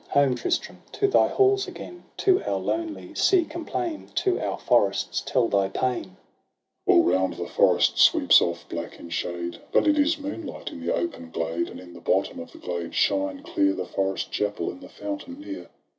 Home, Tristram, to thy halls again ! To our lonely sea complain, To our forests tell thy pain ! Tristram. All round the forest sweeps off, black in shade, But it is moonlight in the open glade ; And in the bottom of the glade shine clear The forest chapel and the fountain near.